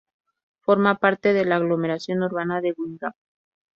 Forma parte de la aglomeración urbana de Guingamp.